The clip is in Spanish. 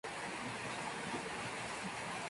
Nació en Nueva York, Estados Unidos.